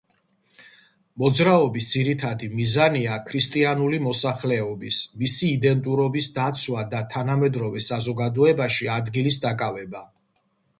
მოძრაობის ძირითადი მიზანია ქრისტიანული მოსახლეობის, მისი იდენტურობის დაცვა და თანამედროვე საზოგადოებაში ადგილის დაკავება.